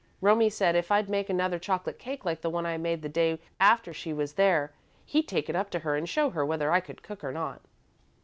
Romie said if I'd make another chocolate cake like the one I made the day after she was there, he'd take it up to her and show her whether I could cook or not."